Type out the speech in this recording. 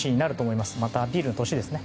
また、アピールの年ですね。